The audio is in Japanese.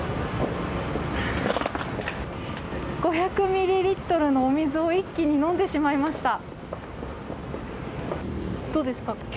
５００ミリリットルのお水を一気に飲んでしまいました。